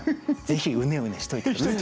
ぜひうねうねしといて下さい。